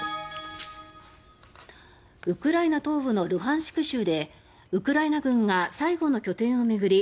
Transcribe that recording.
ウクライナ東部のルハンシク州でウクライナ軍が最後の拠点を巡り